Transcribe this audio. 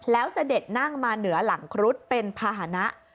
แล้วเสด็จนั่งมาเหนือหลังครุฑเป็นภาษณะ